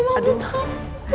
afif aku takut